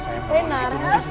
aku gak mau